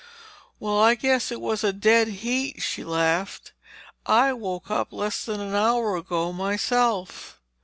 "Well, I guess it was a dead heat," she laughed. "I woke up less than an hour ago, myself."